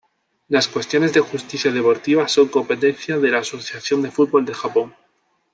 Las cuestiones de justicia deportiva son competencia de la Asociación de Fútbol de Japón.